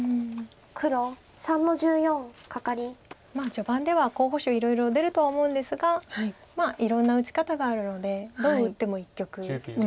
序盤では候補手いろいろ出るとは思うんですがまあいろんな打ち方があるのでどう打っても一局です。